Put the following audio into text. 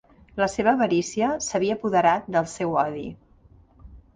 La seva avarícia s'havia apoderat del seu odi.